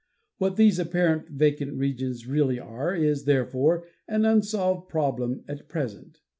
What these apparent vacant regions really are is, therefore, an unsolved prob lem at present.